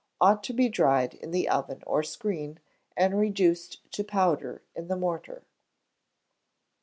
ought to be dried in the oven or screen, and reduced to powder in the mortar.